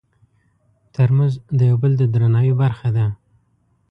ترموز د یو بل د درناوي برخه ده.